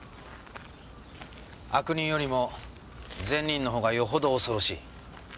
悪人よりも善人の方がよほど恐ろしい。